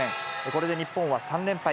これで日本は３連敗。